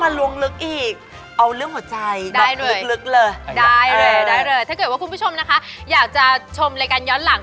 ได้เลยถ้าเกิดว่าคุณผู้ชมนะคะอยากจะชมรายการย้อนหลัง